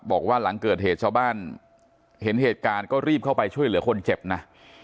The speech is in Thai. บอกว่าหลังเกิดเหตุชาวบ้านเห็นเหตุการณ์ก็รีบเข้าไปช่วยเหลือคนเจ็บนะ